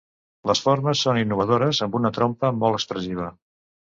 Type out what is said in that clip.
Les formes són innovadores, amb una trompa molt expressiva.